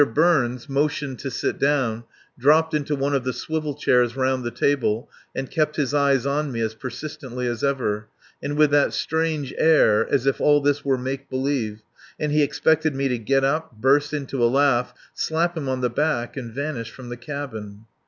Burns motioned to sit down, dropped into one of the swivel chairs round the table, and kept his eyes on me as persistently as ever, and with that strange air as if all this were make believe and he expected me to get up, burst into a laugh, slap him on the back, and vanish from the cabin.